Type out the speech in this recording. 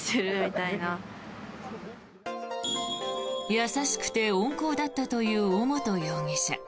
優しくて温厚だったという尾本容疑者。